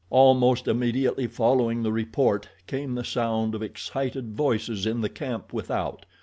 Almost immediately following the report came the sound of excited voices in the camp without.